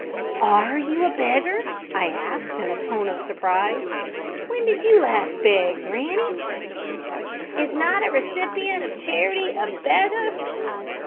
"Are you a beggar?" I asked in a tone of surprise. "When did you beg last, granny?" "Is not a recipient of charity a beggar?"